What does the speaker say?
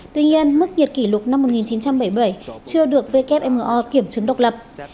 tuy nhiên mức nhiệt kỷ lục năm một nghìn chín trăm bảy mươi bảy chưa được wmo kiểm chứng độc lập